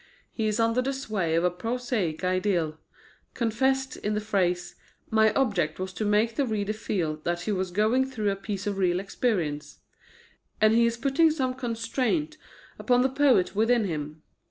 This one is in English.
He is under the sway of a prosaic ideal confessed in the phrase, "My object was to make the reader feel that he was going through a piece of real experience" and he is putting some constraint upon the poet within him.